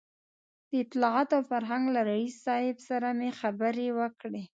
د اطلاعاتو او فرهنګ له رییس صاحب سره مې خبرې وکړې.